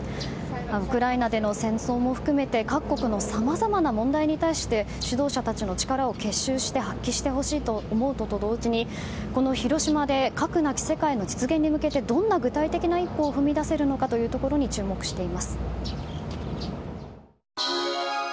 ウクライナでの戦争も含めて各国のさまざまな問題に対して指導者たちの力を結集して発揮してほしいと思うのと同時にこの広島で核なき世界の実現に向けてどんな具体的な一歩を踏み出せるのかというところに注目しています。